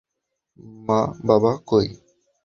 মা বাবা কই?